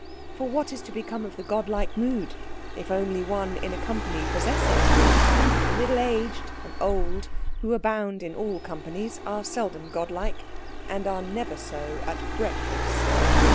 For what is to become of the god like mood if only one in a company possess it? The middle aged and old, who abound in all companies, are seldom god like, and are never so at breakfast.